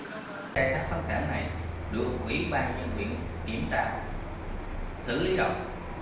khai thác phát sản này được quỹ ban nhân viện kiểm tra xử lý rộng